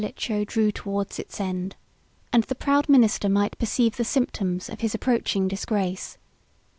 ] But the reign of Stilicho drew towards its end; and the proud minister might perceive the symptoms of his approaching disgrace.